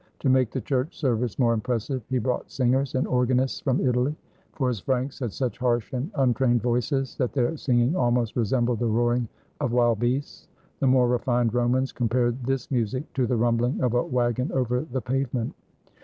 To make the church service more impressive, he brought singers and organists from Italy; for his Franks had such harsh and untrained voices, that their singing almost resembled the roaring of wild beasts. The more refined Romans compared this music to the rumbling of a wagon over the pavement.